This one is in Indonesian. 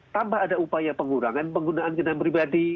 tanpa ada upaya pengurangan penggunaan kendaraan pribadi